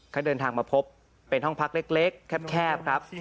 เขาเดินทางมาพบเป็นห้องพักเล็กแคบครับ